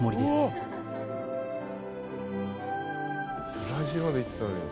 ブラジルまで行ってたのに。